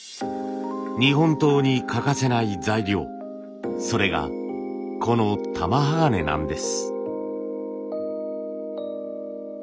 日本刀に欠かせない材料それがこの玉鋼なんです。